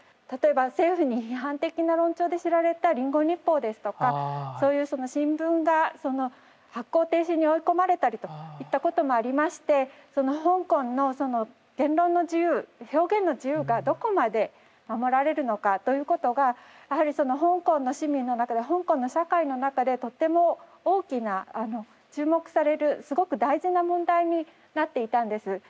例えば政府に批判的な論調で知られた「リンゴ日報」ですとかそういうその新聞が発行停止に追い込まれたりといったこともありまして香港のその言論の自由表現の自由がどこまで守られるのかということがやはりその香港の市民の中で香港の社会の中でとっても大きな注目されるすごく大事な問題になっていたんです。